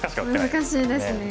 難しいですね。